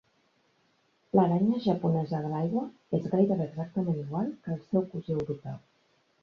L'aranya japonesa de l'aigua és gairebé exactament igual que el seu cosí europeu.